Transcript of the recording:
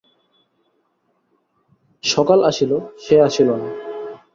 সকাল আসিল, সে আসিল না।